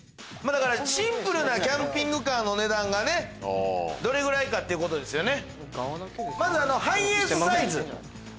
シンプルなキャンピングカーの値段がどれぐらいかっていうことですね。